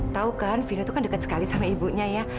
tau kan vino tuh kan deket sekali sama ibunya ya